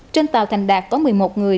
trên tàu thành đạt có một mươi một người